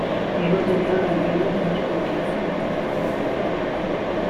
Ibibazo byagaragaye ni iby’ubutaka